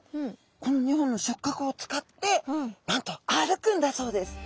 この２本の触角を使ってなんと歩くんだそうです。